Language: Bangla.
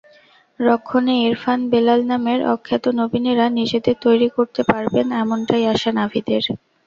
রক্ষণে ইরফান-বেলাল নামের অখ্যাত নবীনেরা নিজেদের তৈরি করতে পারবেন, এমনটাই আশা নাভিদের।